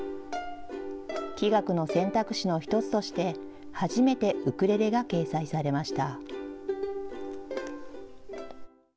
器楽の選択肢の１つとして、初めてウクレレが掲載されました。